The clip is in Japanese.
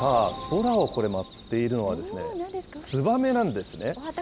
空をこれ、舞っているのは、ツバメなんですね。